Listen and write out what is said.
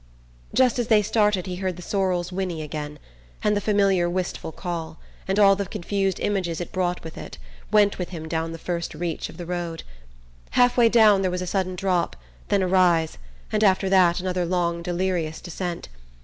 Just as they started he heard the sorrel's whinny again, and the familiar wistful call, and all the confused images it brought with it, went with him down the first reach of the road. Half way down there was a sudden drop, then a rise, and after that another long delirious descent.